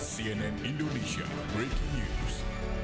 cnn indonesia breaking news